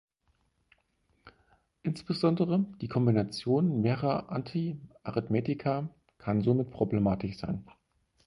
Insbesondere die Kombination mehrerer Antiarrhythmika kann somit problematisch sein.